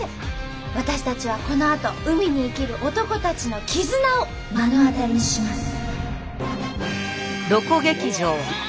私たちはこのあと海に生きる男たちの絆を目の当たりにします。